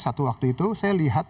satu waktu itu saya lihat